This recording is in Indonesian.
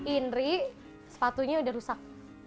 inri sepatunya sudah rusak